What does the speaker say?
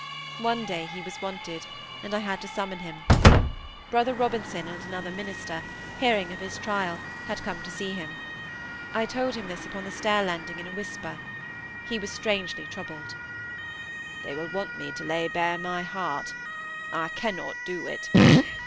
One day he was wanted; and I had to summon him. Brother Robinson and another minister, hearing of his "trial", had come to see him. I told him this upon the stair landing in a whisper. He was strangely troubled. "They will want me to lay bare my heart. I cannot do it.